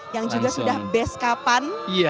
yang juga sudah beskapan